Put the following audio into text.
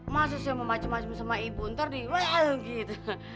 masa saya mau macem macem sama ibu ntar di gitu